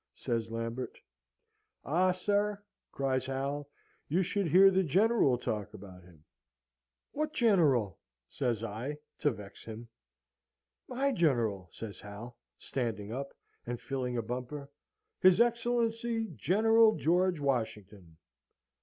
says Lambert. "Ah, sir," cries Hal, "you should hear the General talk about him!" "What General?" says I (to vex him). "My General," says Hal, standing up, and filling a bumper. "His Excellency General George Washington!"